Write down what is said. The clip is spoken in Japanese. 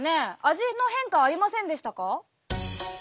味の変化はありませんでしたか？